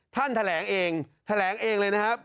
ท่านแถลงเองแถลงเองเลยนะครับ